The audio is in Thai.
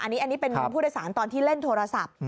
อันนี้เป็นผู้โดยสารตอนที่เล่นโทรศัพท์